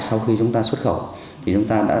sau khi chúng ta xuất khẩu thì chúng ta đã